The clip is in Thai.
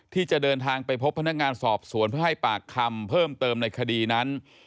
ที่จะเดินทางไปพบพนักงานสอบสวนเพื่อให้ปากคำเพิ่มเติมในคดีนั้น